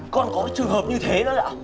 còn có trường hợp như thế nữa nhỉ